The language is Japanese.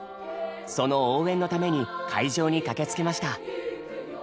その応援のために会場に駆けつけました。